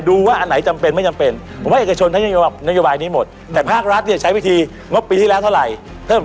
คือเราไม่เอานโยบายปีที่แล้วมาเพิ่ม๕